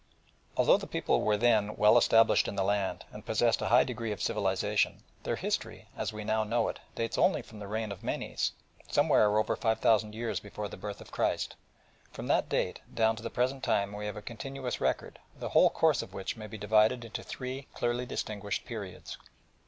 Although the people were then well established in the land and possessed a high degree of civilisation, their history, as we now know it, dates only from the reign of Menes, somewhere over five thousand years before the birth of Christ. From that date down to the present time we have a continuous record, the whole course of which may be divided into three clearly distinguished periods.